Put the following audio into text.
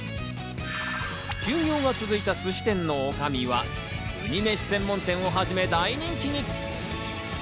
休業が続いたすし店の女将は、ウニめし専門店を始め大人気に。